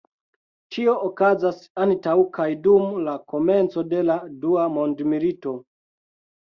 Ĉio okazas antaŭ kaj dum la komenco de la Dua Mondmilito.